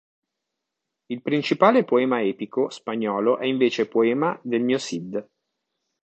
Il principale poema epico spagnolo è invece "Poema del mio Cid".